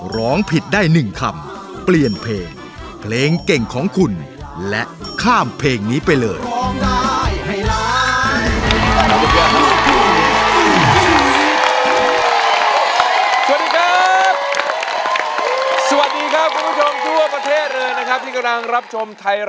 ร้องผิดได้๑คำเปลี่ยนเพลงเพลงเก่งของคุณและข้ามเพลงนี้ไปเลย